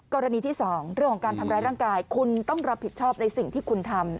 กรณีที่๒เรื่องของการทำร้ายร่างกายคุณต้องรับผิดชอบในสิ่งที่คุณทำ